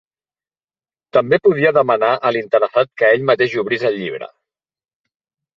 També podia demanar a l'interessat que ell mateix obrís el llibre.